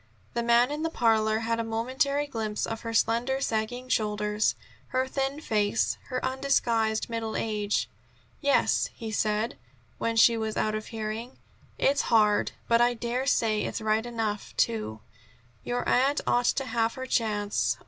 The man in the parlor had a momentary glimpse of her slender, sagging shoulders, her thin face, her undisguised middle age. "Yes," he said, when she was out of hearing. "It's hard, but I dare say it's right enough, too. Your aunt ought to have her chance.